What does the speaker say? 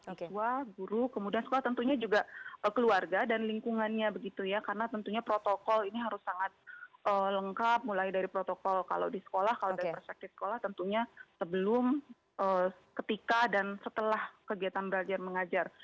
siswa guru kemudian sekolah tentunya juga keluarga dan lingkungannya begitu ya karena tentunya protokol ini harus sangat lengkap mulai dari protokol kalau di sekolah kalau dari perspektif sekolah tentunya sebelum ketika dan setelah kegiatan belajar mengajar